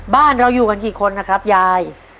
บ้านเราอยู่กันกี่คนนะครับยาย